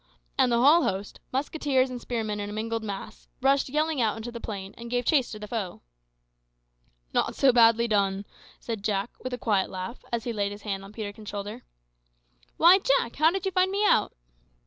and the whole host, musketeers and spearmen in a mingled mass, rushed yelling out upon the plain, and gave chase to the foe. "Not so badly done," said Jack, with a quiet laugh, as he laid his hand on Peterkin's shoulder. "Why, Jack, how did you find me out?"